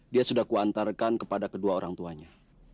dia sudah kuantarkan kepada kedua orang tuanya